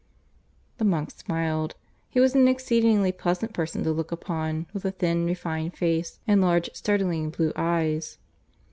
The monk smiled. He was an exceedingly pleasant person to look upon, with a thin, refined face and large, startlingly blue eyes.